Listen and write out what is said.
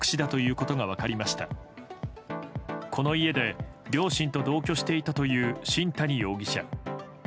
この家で両親と同居していたという新谷容疑者。